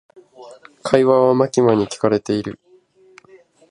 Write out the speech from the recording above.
会話はマキマに聞かれている。